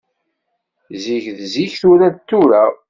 Zik d zik, tura d tura.